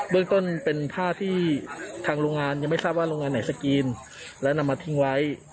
เรื่องต้นเป็นผ้าที่ทางโรงงานยังไม่ทราบว่าโรงงานไหนสกรีนและนำมาทิ้งไว้